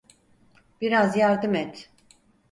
Biraz yardım et.